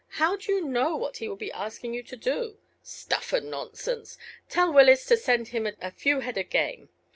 How do you know what he will be asking you to do? Stuff and nonsense! Tell Willis to send him a few head of game.